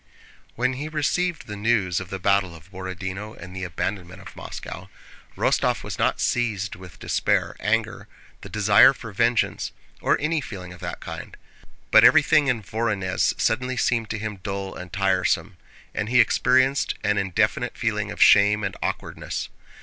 When he received the news of the battle of Borodinó and the abandonment of Moscow, Rostóv was not seized with despair, anger, the desire for vengeance, or any feeling of that kind, but everything in Vorónezh suddenly seemed to him dull and tiresome, and he experienced an indefinite feeling of shame and awkwardness.